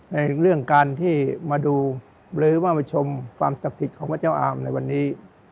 ในเรื่องการที่มาดูหรือว่ามาชมความศักดิ์สิทธิ์ของพระเจ้าอามในวันนี้